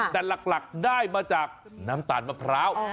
แต่หลักได้มาจากน้ำตาลมะพร้าว